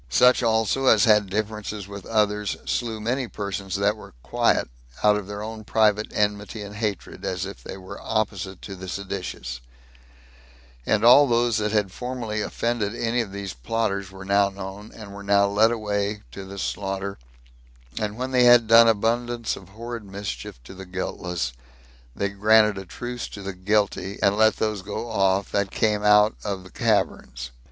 Such also as had differences with others slew many persons that were quiet, out of their own private enmity and hatred, as if they were opposite to the seditious; and all those that had formerly offended any of these plotters were now known, and were now led away to the slaughter; and when they had done abundance of horrid mischief to the guiltless, they granted a truce to the guilty, and let those go off that came out of the caverns.